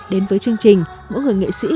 đến với chương trình mỗi người nghệ sĩ